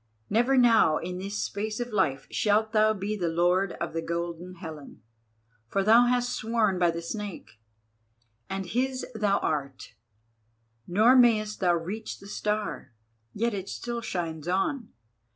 Never now, in this space of life, shalt thou be the lord of the Golden Helen. For thou hast sworn by the Snake, and his thou art, nor mayest thou reach the Star. Yet it still shines on.